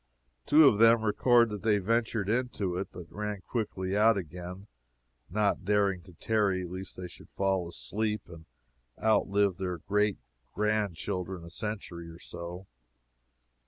Two of them record that they ventured into it, but ran quickly out again, not daring to tarry lest they should fall asleep and outlive their great grand children a century or so.